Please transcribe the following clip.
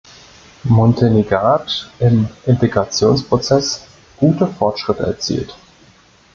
Monteneghat im Integrationsprozess gute Fortschritte erzielt.